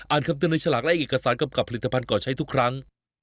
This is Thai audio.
คำเตือนในฉลากและเอกสารกำกับผลิตภัณฑ์ก่อใช้ทุกครั้ง